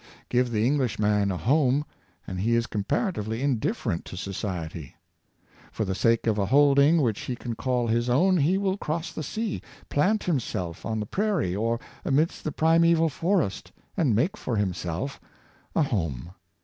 Give the Eng lishman a home, and he is comparatively indifferent to 540 Art Culture. society. For the sake of a holding which he can call his own, he will cross the sea, plant himself on the prai rie or amidst the primeval forest, and make for him self a home.